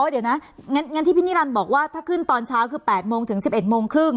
อ๋อเดี๋ยวนะงั้นงั้นที่พี่นิรันดิ์บอกว่าถ้าขึ้นตอนเช้าคือแปดโมงถึงสิบเอ็ดโมงครึ่ง